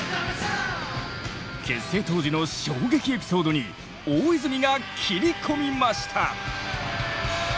結成当時の衝撃エピソードに大泉が切り込みました。